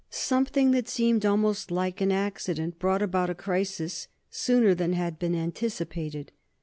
Something that seemed almost like an accident brought about a crisis sooner than had been anticipated.